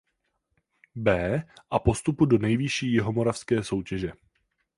B a postupu do nejvyšší jihomoravské soutěže.